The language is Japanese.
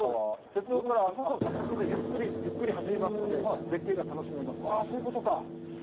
鉄道はあそこでゆっくりゆっくり走りますので、絶景が楽しめます。